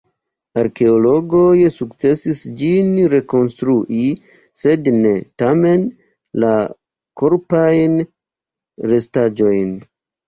Arkeologoj sukcesis ĝin rekonstrui, sed ne, tamen, la korpajn restaĵojn.